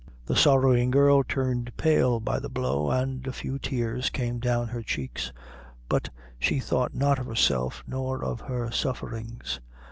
The sorrowing girl turned pale by the blow, and a few tears came down her cheeks; but she thought not of herself, nor of her sufferings.